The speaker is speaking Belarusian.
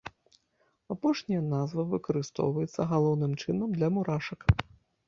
Апошняя назва выкарыстоўваецца, галоўным чынам, для мурашак.